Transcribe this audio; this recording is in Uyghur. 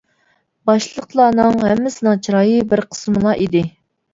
باشلىقلارنىڭ ھەممىسىنىڭ چىرايى بىر قىسمىلا ئىدى.